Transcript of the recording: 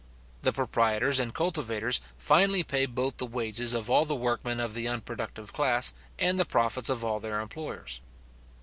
The proprietors and cultivators finally pay both the wages of all the workmen of the unproductive class, and the profits of all their employers.